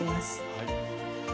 はい。